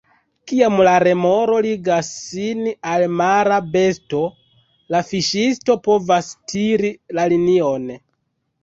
Kiam la remoro ligas sin al mara besto, la fiŝisto povas tiri la linion.